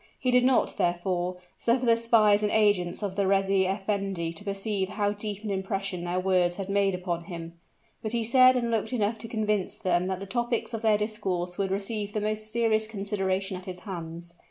He did not, therefore, suffer the spies and agents of the reis effendi to perceive how deep an impression their words had made upon him; but he said and looked enough to convince them that the topics of their discourse would receive the most serious consideration at his hands.